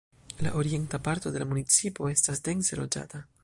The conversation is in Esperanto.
La orienta parto de la municipo estas dense loĝata.